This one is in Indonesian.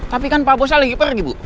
tapi kan pak bosnya lagi pergi bu